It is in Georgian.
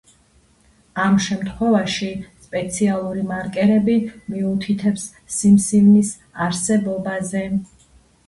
ამ შემთხვევაში სპეციალური მარკერები მიუთითებს სიმსივნის არსებობაზე.